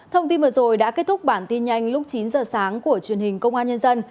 thông tin vừa rồi đã kết thúc bản tin nhanh lúc chín giờ sáng của truyền hình công an nhân dân